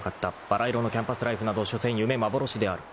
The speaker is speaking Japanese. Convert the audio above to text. ［ばら色のキャンパスライフなどしょせん夢幻である］